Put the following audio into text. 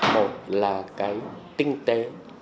một là cái tinh tế